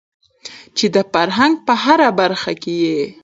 چې د فرهنګ په هره برخه کې يې